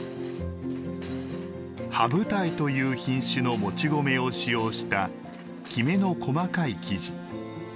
羽二重という品種のもち米を使用したきめの細かい生地。